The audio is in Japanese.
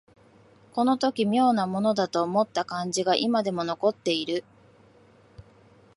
この時妙なものだと思った感じが今でも残っている